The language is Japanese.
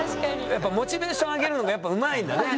やっぱモチベーション上げるのがやっぱうまいんだね。